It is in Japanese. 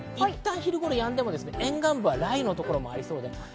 いったん昼頃やんでも沿岸部は雷雨の所ありそうです。